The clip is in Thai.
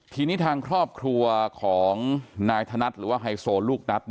ทีนี้ทางครอบครัวของนายธนัดหรือว่าไฮโซลูกนัด